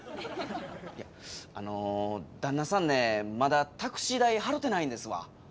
いやあの旦那さんねまだタクシー代払うてないんですわ。